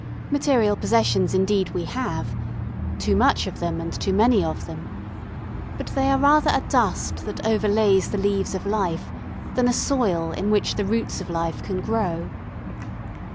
Material possessions indeed we have too much of them and too many of them but they are rather a dust that overlays the leaves of life than a soil in which the roots of life can grow.